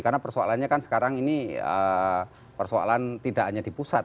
karena persoalannya kan sekarang ini persoalan tidak hanya di pusat